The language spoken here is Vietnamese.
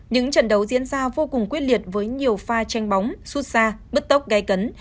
những trận đấu diễn ra vô cùng quyết liệt với nhiều pha tranh bóng xuất xa bứt tốc gai cấn